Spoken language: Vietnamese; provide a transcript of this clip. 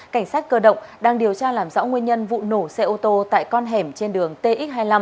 cảnh sát cơ động đang điều tra làm rõ nguyên nhân vụ nổ xe ô tô tại con hẻm trên đường tx hai mươi năm